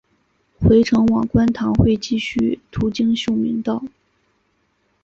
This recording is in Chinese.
回程往观塘会继续途经秀明道。